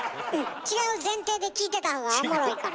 違う前提で聞いてたほうがおもろいから。